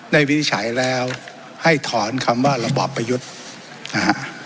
วินิจฉัยแล้วให้ถอนคำว่าระบอบประยุทธ์นะฮะ